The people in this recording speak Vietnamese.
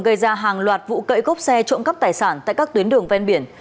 gây ra hàng loạt vụ cậy cốp xe trộm cắp tài sản tại các tuyến đường ven biển